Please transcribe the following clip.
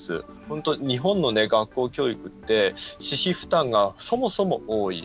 本当、日本の学校教育って私費負担が、そもそも多い。